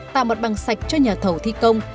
tạo mặt bằng sạch cho nhà thầu thi công